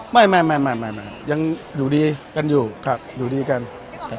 ไม่ไม่ไม่ไม่ยังอยู่ดีกันอยู่ครับอยู่ดีกันเป็นเรื่องปกติของ